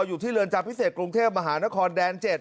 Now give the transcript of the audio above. อยู่ที่เรือนจำพิเศษกรุงเทพมหานครแดน๗